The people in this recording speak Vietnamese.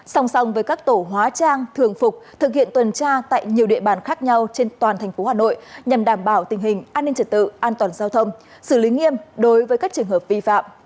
song song với các tổ hóa trang thường phục thực hiện tuần tra tại nhiều địa bàn khác nhau trên toàn thành phố hà nội nhằm đảm bảo tình hình an ninh trật tự an toàn giao thông xử lý nghiêm đối với các trường hợp vi phạm